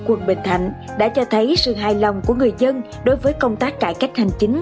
quận bình thạnh đã cho thấy sự hài lòng của người dân đối với công tác cải cách hành chính